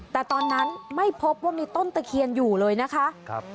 แต่ตอนนั้นไม่พบว่ามีต้นตะเคียนอยู่เลยนะคะ